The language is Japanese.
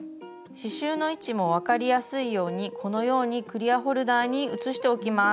刺しゅうの位置も分かりやすいようにこのようにクリアホルダーに写しておきます。